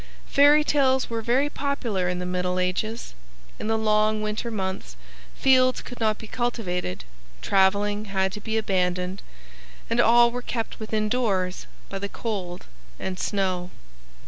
Fairy tales were very popular in the Middle Ages. In the long winter months fields could not be cultivated, traveling had to be abandoned, and all were kept within doors by the cold and snow.